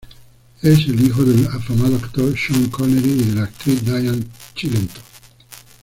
Es el hijo del afamado actor Sean Connery y de la actriz Diane Cilento.